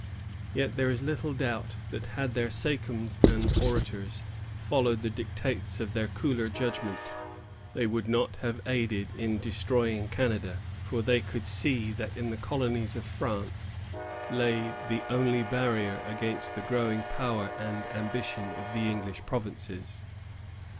Yet there is little doubt, that, had their sachems and orators followed the dictates of their cooler judgment, they would not have aided in destroying Canada; for they could see that in the colonies of France lay the only barrier against the growing power and ambition of the English provinces.